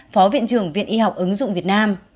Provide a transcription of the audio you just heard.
phó viện trưởng viện y học ứng dụng việt nam